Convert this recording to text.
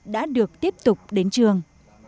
đã được tiếp tục đến trường